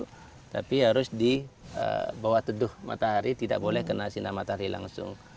kalau di sini harus dibawa teduh matahari tidak boleh kena sinar matahari langsung